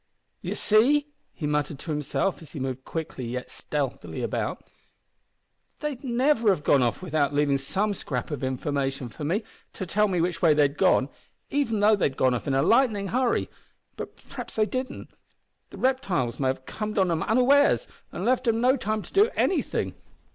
"You see," he muttered to himself, as he moved quickly yet stealthily about, "they'd never have gone off without leavin' some scrap of information for me, to tell me which way they'd gone, even though they'd gone off in a lightnin' hurry. But p'raps they didn't. The reptiles may have comed on 'em unawares, an' left 'em no time to do anything.